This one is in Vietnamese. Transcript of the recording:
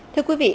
thưa quý vị